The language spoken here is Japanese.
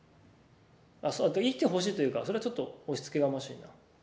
あ生きてほしいというかそれはちょっと押しつけがましいな。